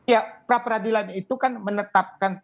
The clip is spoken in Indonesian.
ya pra peradilan itu kan menetapkan